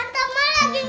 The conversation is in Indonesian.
majak masya allah